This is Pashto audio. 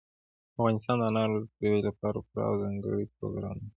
افغانستان د انارو د ترویج لپاره پوره او ځانګړي پروګرامونه لري.